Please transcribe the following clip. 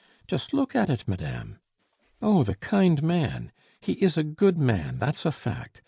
Just look at it, madame! Oh, the kind man! He is a good man, that's a fact.